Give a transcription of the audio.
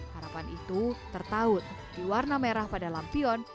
harapan itu tertahun di warna merah pada lampion